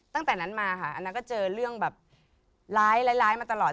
ตั้งแต่นั้นมาค่ะอันน่าก็เจอเรื่องแบบร้ายร้ายร้ายมาตลอด